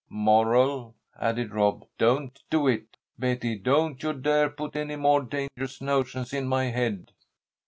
"Moral," added Rob, "don't do it. Betty, don't you dare put any more dangerous notions in my head."